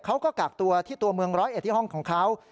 เขาก็กักตัวที่ตัวเมืองร้อยเอ็ดที่ห้องของเขา